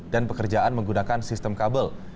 dan pekerjaan menggunakan sistem kabel